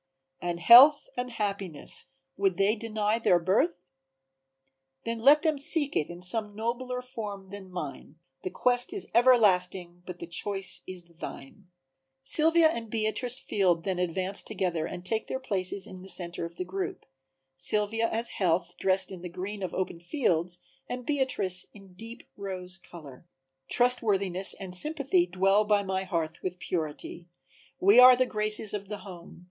"And Health and Happiness, would they deny their birth? Then let them seek it in some nobler form than mine, The quest is everlasting but the choice is thine." Sylvia and Beatrice Field then advance together and take their places in the center of the group, Sylvia as Health dressed in the green of the open fields and Beatrice in deep rose color. "Trustworthiness and Sympathy dwell by my hearth With Purity; we are the graces of the home.